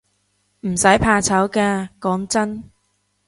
唔使怕醜㗎，講真